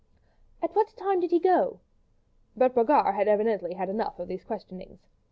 "At what time did he go?" But Brogard had evidently had enough of these questionings.